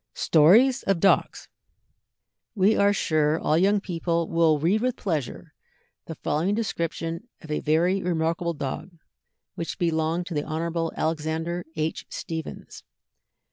STORIES OF DOGS. We are sure all young people will read with pleasure the following description of a very remarkable dog which belonged to the Hon. Alexander H. Stephens.